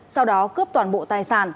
sau đó cướp toàn bộ tài sản